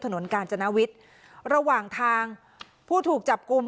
ถนนกาญจนวิทย์ระหว่างทางผู้ถูกจับกลุ่ม